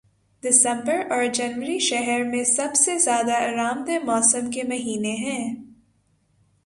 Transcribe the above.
دسمبر اور جنوری شہر میں سب سے زیادہ آرام دہ موسم کے مہینے ہیں